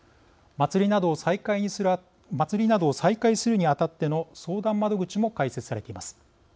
祭りなどを再開するにあたっての相談窓口も開設されています。